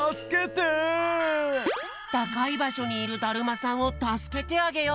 たかいばしょにいるだるまさんをたすけてあげよう！